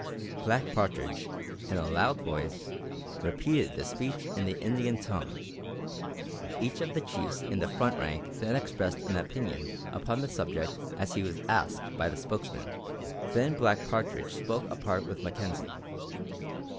Black Partridge, in a loud voice, repeated the speech in the Indian tongue. Each of the chiefs in the front rank then expressed an opinion upon the subject, as he was asked by the spokesman. Then Black Partridge spoke apart with Mackenzie.